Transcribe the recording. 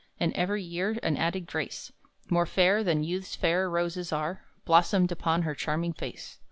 And every year an added grace, More fair than youth's fair roses are, Blossomed upon her charming face.